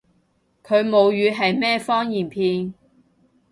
佢母語係咩方言片？